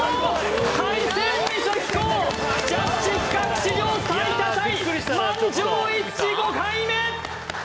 海鮮三崎港ジャッジ企画史上最多タイ満場一致５回目！